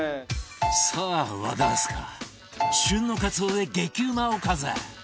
さあ和田明日香旬のカツオで激うまおかず